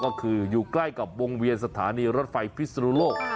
ก็คืออยู่ใกล้กับวงเวียนสถานีรถไฟพิศนุโลก